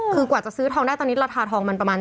คือกว่าจะซื้อทองได้ตอนนี้ราทาทองประมาณ๒๐๐๐๐